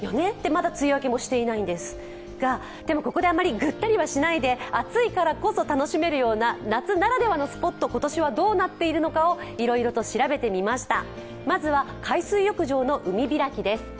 まだ梅雨明けもしていないんですが、ここであまりぐったりはしないで、暑いからこそ楽しめるような夏ならではのスポット、今年はどうなっているのかいろいろと調べてみました。